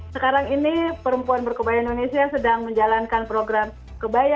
sekarang ini perempuan berkebaya indonesia sedang menjalankan program kebaya